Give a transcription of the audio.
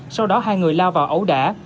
sau đó hai người lao vào ẩu đả